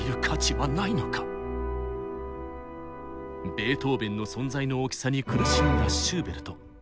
ベートーベンの存在の大きさに苦しんだシューベルト。